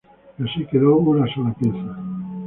Y así quedó una sola pieza.